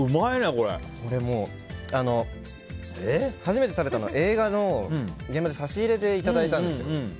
これ、初めて食べたのは映画の現場の差し入れでいただいたんです。